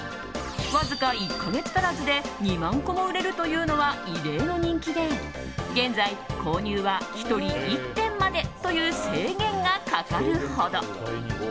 わずか１か月足らずで２万個も売れるというのは異例の人気で現在、購入は１人１点までという制限がかかるほど。